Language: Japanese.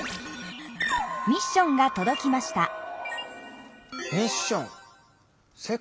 ミッションがとどきました。